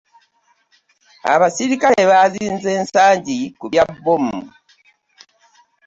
Abaserikare bazinze Nsangi ku bya bbomu .